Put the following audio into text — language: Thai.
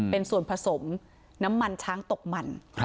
เป็นส่วนผสมน้ำมันช้างตกมัน